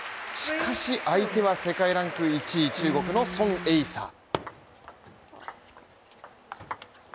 しかし、相手は世界ランク１位、中国のソン・エイサ。